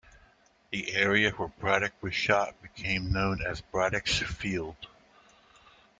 The area where Braddock was shot became known as Braddock's Field.